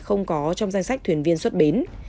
không có trong danh sách thuyền viên xuất bến